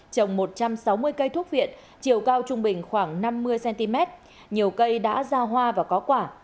trồng một trăm sáu mươi cây thuốc viện chiều cao trung bình khoảng năm mươi cm nhiều cây đã ra hoa và có quả